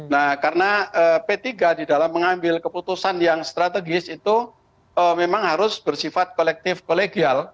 nah karena p tiga di dalam mengambil keputusan yang strategis itu memang harus bersifat kolektif kolegial